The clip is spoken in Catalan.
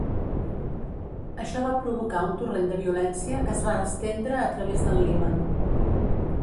Això va provocar un torrent de violència que es va estendre a través del Líban.